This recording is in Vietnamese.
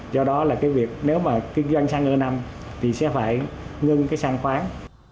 do đó là cái việc nếu mà kinh doanh săng e năm thì sẽ phải ngừng cái săng khoáng